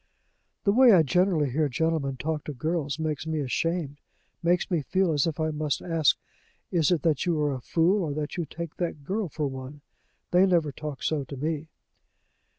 "The way I generally hear gentlemen talk to girls makes me ashamed makes me feel as if I must ask, 'Is it that you are a fool, or that you take that girl for one?' They never talk so to me."